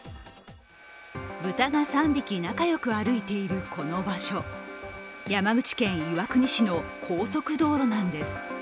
豚が３匹、仲よく歩いているこの場所、山口県岩国市の高速道路なんです。